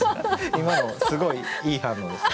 今のすごいいい反応ですね。